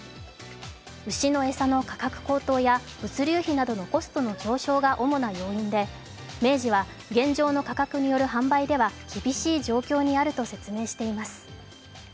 牛の餌の価格高騰や物流費などのコストの上昇が主な要因で明治は現状の価格による販売では厳しい状況にあると説明しています。